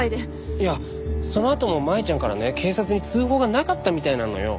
いやそのあとも舞ちゃんからね警察に通報がなかったみたいなのよ。